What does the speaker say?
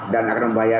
dan akan membahayakan